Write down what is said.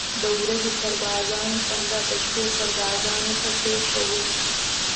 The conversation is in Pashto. د ورځې سربازانو سنګر د شپې سربازانو ته پرېښوده.